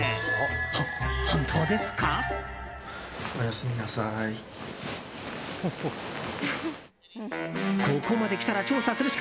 ほ、本当ですか？